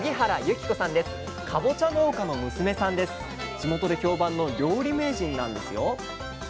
地元で評判の料理名人なんですよ。